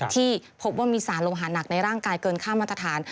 ที่พบว่ามีสารโลหาหนักในร่างกายเกินค่ามาตรฐาน